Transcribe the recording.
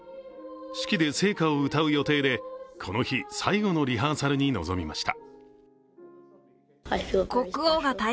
式で聖歌を歌う予定でこの日、最後のリハーサルに臨みました。